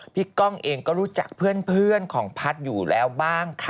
ก้องเองก็รู้จักเพื่อนของพัฒน์อยู่แล้วบ้างค่ะ